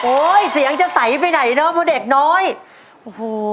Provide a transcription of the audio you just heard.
โอ้ยเสียงจะใสไปไหนเนอะพ่อเด็กน้อยโอ้โห